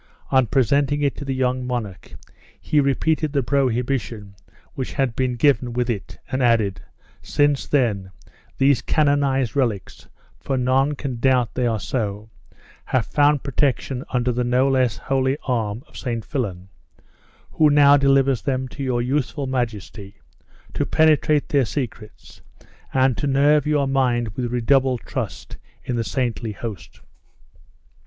On presenting it to the young monarch, he repeated the prohibition which had been given with it, and added, "Since, then, these canonized relics (for none can doubt they are so) have found protection under the no less holy arm of St. Fillan, he now delivers them to your youthful majesty, to penetrate their secrets, and to nerve your mind with redoubled trust in the saintly host."